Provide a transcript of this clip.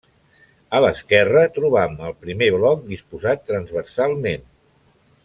A l'esquerra trobam el primer bloc disposat transversalment.